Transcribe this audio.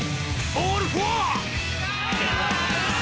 ボールフォア！